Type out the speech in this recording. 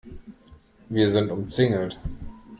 Wir sind umzingelt.